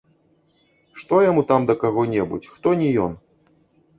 Што яму там да каго-небудзь, хто не ён?